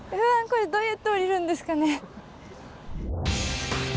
これどうやって降りるんですかね。